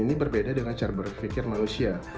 ini berbeda dengan cara berpikir manusia